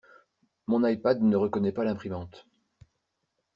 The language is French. Mon ipad ne reconnaît pas l'imprimante.